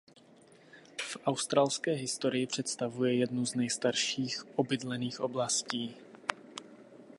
V australské historii představuje jednu z nejstarších obydlených oblastí.